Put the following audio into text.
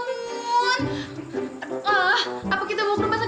apa kita mau kerubah sakit aja kali ya fel